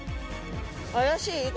怪しい？